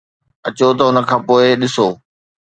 اچو ته ان کان پوء ڏسو